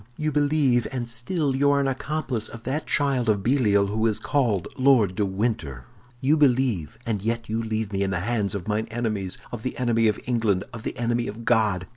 "You believe, and still you are an accomplice of that child of Belial who is called Lord de Winter! You believe, and yet you leave me in the hands of mine enemies, of the enemy of England, of the enemy of God!